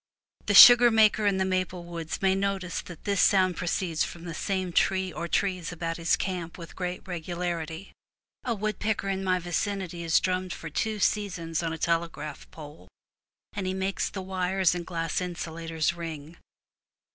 The sugar maker in the maple woods may notice that this sound proceeds from the same tree or trees about his camp with great regularity. A woodpecker in my vicinity has drummed for two seasons on a telegraph pole, and he makes the wires and glass insulators ring.